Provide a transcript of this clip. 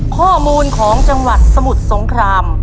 ข้อมูลของจังหวัดสมุทรสงคราม